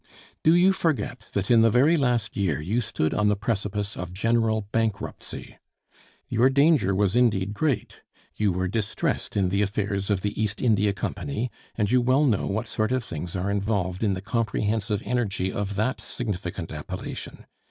Do you forget that in the very last year you stood on the precipice of general bankruptcy? Your danger was indeed great. You were distressed in the affairs of the East India Company; and you well know what sort of things are involved in the comprehensive energy of that significant appellation.